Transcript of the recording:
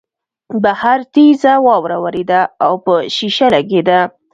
بهر تېزه واوره ورېده او په شیشه لګېده